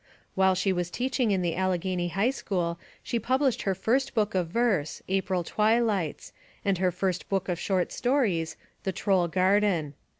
"While she was teaching in the Allegheny High School she published her first book of verse, April Twilights, and her first book of short stories, The Troll Garden.